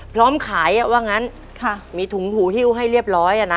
พร้อมขายว่างั้นมีถุงหูฮิ้วให้เรียบร้อยอ่ะนะ